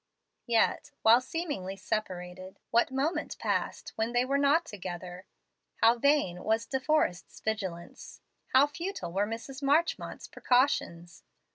Yet, while seemingly separated, what moment passed when they were not together? How vain was De Forrest's vigilance! how futile were Mrs. Marchmont's precautions!